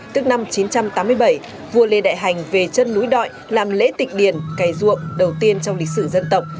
tức năm một nghìn chín trăm tám mươi bảy vua lê đại hành về chân núi đội làm lễ tịch điền cây ruộng đầu tiên trong lịch sử dân tộc